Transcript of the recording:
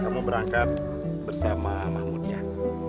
kamu berangkat bersama mahmudiyah